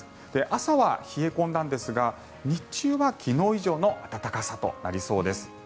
朝は冷え込んだんですが日中は昨日以上の暖かさとなりそうです。